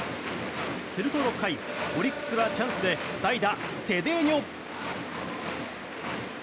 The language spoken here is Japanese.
すると６回オリックスはチャンスで代打、セデーニョ。